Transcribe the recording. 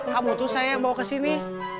kamu tuh saya yang bawa kesini